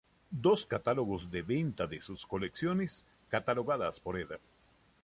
Dos catálogos de venta de sus colecciones, catalogadas por Ed.